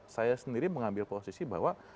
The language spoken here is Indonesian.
saya sendiri mengambil posisi bahwa